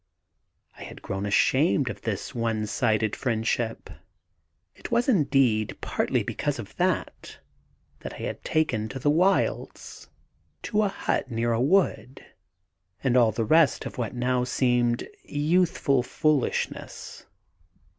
I had grown ashamed of this one sided friendship. It was, indeed, partly because of that that I had taken to the wilds to a hut near a wood, and all the rest of what now seemed youthful foolishness.